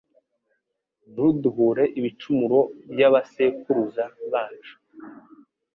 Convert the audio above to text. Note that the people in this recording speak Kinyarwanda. Ntuduhore ibicumuro by’aba sekuruza bacu